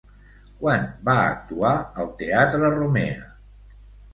Quan va actuar al teatre Romea?